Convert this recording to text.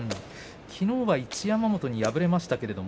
きのうは一山本に敗れています。